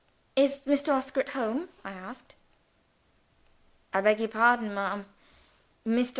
"Is Mr. Oscar at home?" I asked. "I beg your pardon, ma'am. Mr.